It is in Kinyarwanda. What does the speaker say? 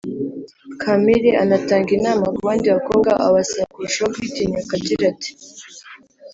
Kampire anatanga inama ku bandi bakobwa abasaba kurushaho kwitinyuka agira ati